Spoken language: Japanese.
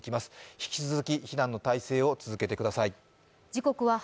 引き続き避難の態勢を続けてください。